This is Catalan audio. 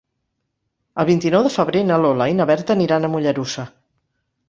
El vint-i-nou de febrer na Lola i na Berta aniran a Mollerussa.